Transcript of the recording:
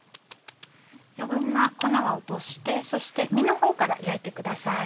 余分な粉は落としてそして身の方から焼いてください。